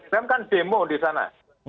rem kan demo di sana